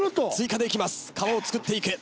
皮を作っていく。